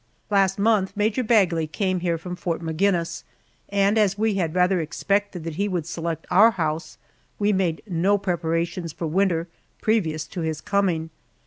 Last month Major Bagley came here from Fort Maginnis, and as we had rather expected that he would select our house, we made no preparations for winter previous to his coming.